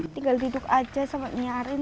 tinggal duduk aja sama nyiarin